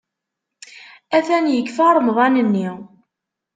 Atan yekfa Remḍan-nni!